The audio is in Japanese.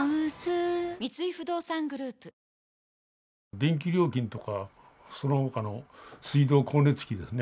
電気料金とかそのほかの水道光熱費ですね。